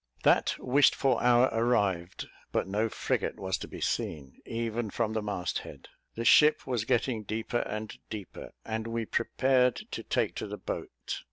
That wished for hour arrived, but no frigate was to be seen, even from the mast head. The ship was getting deeper and deeper, and we prepared to take to the boat.